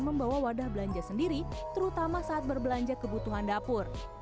membawa wadah belanja sendiri terutama saat berbelanja kebutuhan dapur